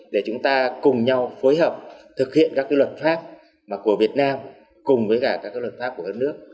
để chúng ta cùng nhau phối hợp thực hiện các luật pháp của việt nam cùng với cả các luật pháp của các nước